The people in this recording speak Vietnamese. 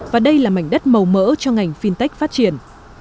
và đây là mảnh đất màu mỡ cho ngành fintech phát triển